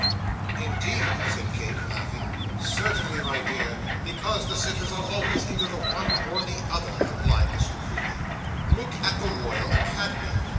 'Indeed!' said Kate, laughing. 'Certainly, my dear; because the sitters are always either the one or the other,' replied Miss La Creevy. 'Look at the Royal Academy!